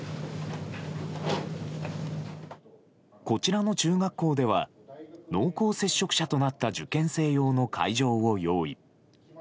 こちらの中学校では濃厚接触者となった受験生用の会場を用意。